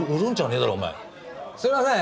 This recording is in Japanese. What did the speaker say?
すいません！